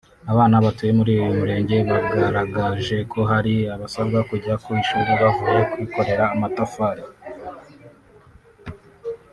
Abana batuye muri uyu murenge bagaragaje ko hari abasabwa kujya ku ishuri bavuye kwikorera amatafari